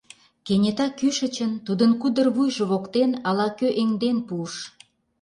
Кенета кӱшычын тудын кудыр вуйжо воктен ала-кӧ эҥден пуыш!